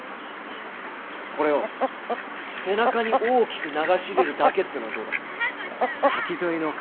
これを背中に大きく流し入れるだけってのはどうだ。